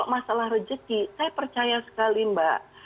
masalah rezeki saya percaya sekali mbak